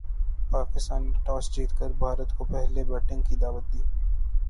پاکستان نے ٹاس جیت کر بھارت کو پہلے بیٹنگ کی دعوت دی۔